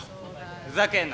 ふざけんな。